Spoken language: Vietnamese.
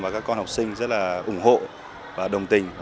và các con học sinh rất là ủng hộ và đồng tình